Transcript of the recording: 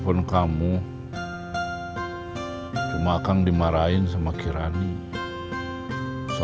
mm nanti saya jadi man representa